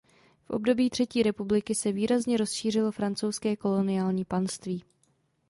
V období třetí republiky se výrazně rozšířilo francouzské koloniální panství.